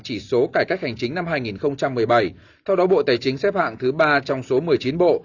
chỉ số cải cách hành chính năm hai nghìn một mươi bảy theo đó bộ tài chính xếp hạng thứ ba trong số một mươi chín bộ